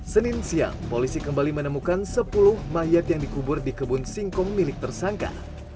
senin siang polisi kembali menemukan sepuluh mayat yang dikubur di kebun singkong milik tersangka